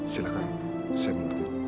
silahkan saya mengerti